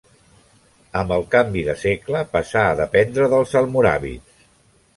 Amb el canvi de segle, passà a dependre dels almoràvits.